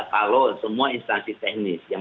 kalau semua instansi teknis yang